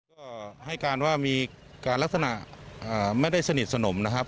ก็ให้การว่ามีการลักษณะไม่ได้สนิทสนมนะครับ